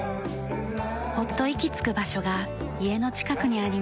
ほっと息つく場所が家の近くにあります。